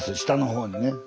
下の方にね。